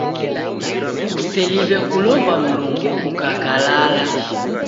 Kuseliw'e kulomba Mlungu kukakalala.